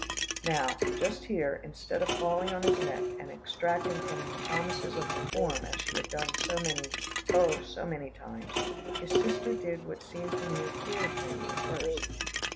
Now just here, instead of falling on his neck, and extracting from him promises of reform, as she had done so many, oh! so many, times, his sister did what seemed to me a queer thing, at first.